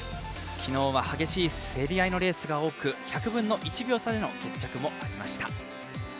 昨日は激しい競り合いのレースが多く１００分の１秒差での決着もありました。